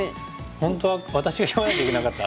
本当は私が言わなきゃいけなかった。